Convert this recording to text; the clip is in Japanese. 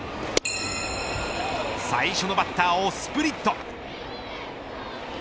最初のバッターをスプリット。